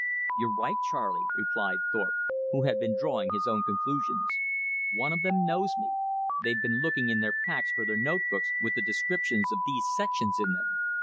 "You're right, Charley," replied Thorpe, who had been drawing his own conclusions. "One of them knows me. They've been looking in their packs for their note books with the descriptions of these sections in them.